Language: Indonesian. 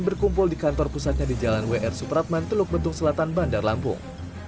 berkumpul di kantor pusatnya di jalan wr supratman teluk betung selatan bandar lampung